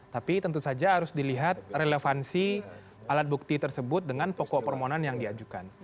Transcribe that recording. tapi tentu saja harus dilihat relevansi alat bukti tersebut dengan pokok permohonan yang diajukan